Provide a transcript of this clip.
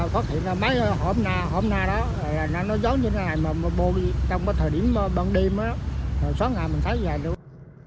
phát hiện là mấy hôm nay đó nó giống như thế này mà bôi trong thời điểm bằng đêm sáng ngày mình thấy như thế này